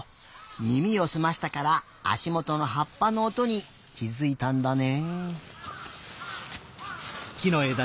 みみをすましたからあしもとのはっぱのおとにきづいたんだね。